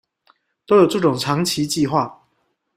都有這種長期計畫